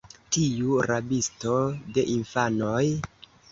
tiu rabisto de infanoj!